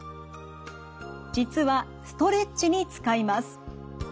実はストレッチに使います。